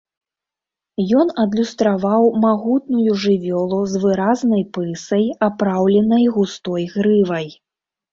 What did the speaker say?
Ён адлюстраваў магутную жывёлу з выразнай пысай, апраўленай густой грывай.